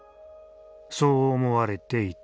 そう思われていた。